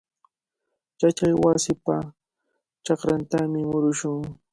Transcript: Yachaywasipa chakrantami murushun.